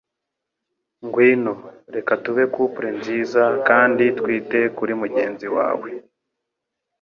Ngwino, reka tube couple nziza kandi twite kuri mugenzi wawe!